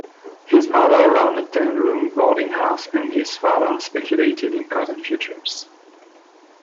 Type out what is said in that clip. His mother ran a ten-roomed boarding house and his father speculated in cotton futures.